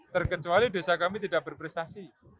terkecuali desa kami tidak berprestasi